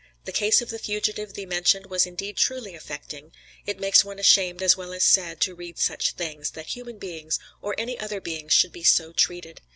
The case of the fugitive thee mentioned was indeed truly affecting; it makes one ashamed as well as sad to read such things, that human beings, or any other beings should be so treated.